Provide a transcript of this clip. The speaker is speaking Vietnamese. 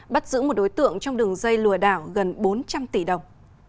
bắt giữ một đối tượng trong đường dây lùa đảo gần bốn trăm linh tỷ đồng